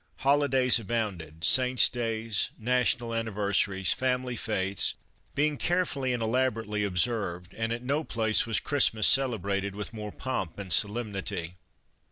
Holidays abounded, Saints' Days, National An niversaries, Family Fetes being carefully and elab orately observed, and at no place was Christmas celebrated with more pomp and solemnity.